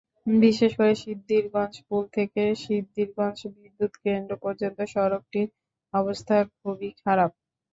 বিশেষ করে সিদ্ধিরগঞ্জ পুল থেকে সিদ্ধিরগঞ্জ বিদ্যুৎকেন্দ্র পর্যন্ত সড়কটির অবস্থা খুবই খারাপ।